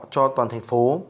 cho toàn thành phố